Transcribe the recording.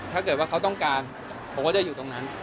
ถ้าเกิดว่าเขาต้องการผมก็จะอยู่ตรงนั้น